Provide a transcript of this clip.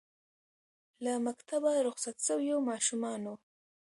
له مکتبه رخصت سویو ماشومانو